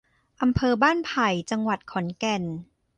อำเภอบ้านไผ่ จังหวัดขอนแก่น